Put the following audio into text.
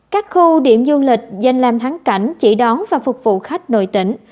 các khu điểm du lịch danh làm thắng cảnh chỉ đón và phục vụ khách nội tỉnh